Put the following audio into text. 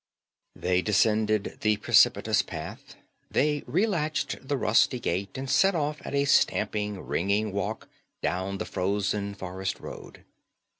They descended the precipitous path, they relatched the rusty gate, and set off at a stamping, ringing walk down the frozen forest road.